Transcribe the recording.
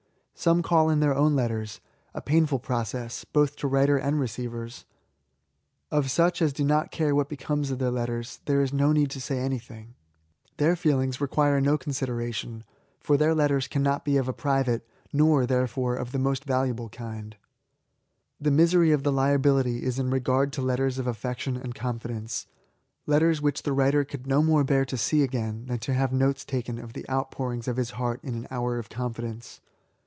Some call in their own letters ;—« painful process, both to writer and receivers. Of such as do not care what becomes of their letters, there is no need to say anything. Their feelings require no con sideration, for their letters cannot be of a private, —nor, therefore, of the most valuable kind. The LIFE TO THE INVALID. 93 misery of the liability is in regard to letters of affection and confidence^ — letters which the writer conld no more bear to see again than to have notes taken of the out>pourings of his heart in an hour of confidence.